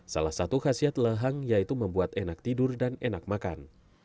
salah satu khasiat lehang yaitu membuat enak tidur dan enak makan